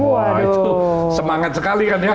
wah itu semangat sekali kan ya